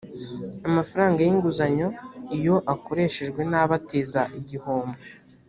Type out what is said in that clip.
amafaranga y ‘inguzanyo iyo akoreshejwe nabi ateza igihombo.